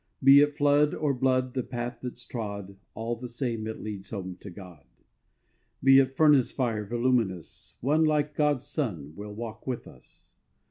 Be it flood or blood the path that's trod, All the same it leads home to God: Be it furnace fire voluminous, One like God's Son will walk with us.